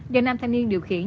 do nam thanh niên điều khiển